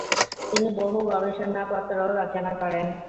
তিনি বহু গবেষণাপত্রও রচনা করেন।